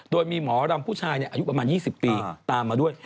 โดยมีหมอรำผู้ชายอายุประมาณ๒๐ปีตามมาด้วย